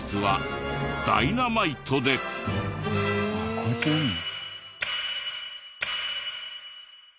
こうやってやるの？